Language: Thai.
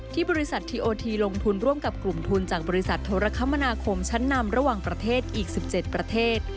บริษัททีโอทีลงทุนร่วมกับกลุ่มทุนจากบริษัทโทรคมนาคมชั้นนำระหว่างประเทศอีก๑๗ประเทศ